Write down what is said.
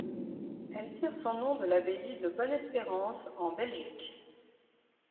Elle tire son nom de l'abbaye de Bonne-Espérance en Belgique.